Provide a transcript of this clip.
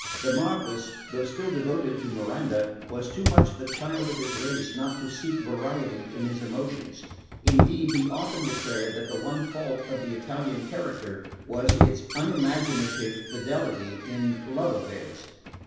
The Marquess, though still devoted to Miranda, was too much the child of his race not to seek variety in his emotions; indeed he often declared that the one fault of the Italian character was its unimaginative fidelity in love affairs.